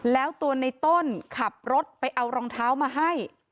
แล้วตัวในต้นขับรถไปเอารองเท้ามาให้